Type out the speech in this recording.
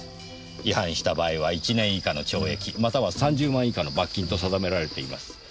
違反した場合は１年以下の懲役または３０万以下の罰金と定められています。